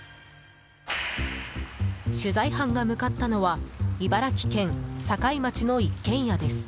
取材班が向かったのは茨城県境町の一軒家です。